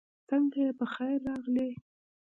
سنګه یی پخير راغلې